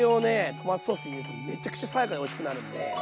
トマトソースに入れるとめちゃくちゃ爽やかでおいしくなるんで。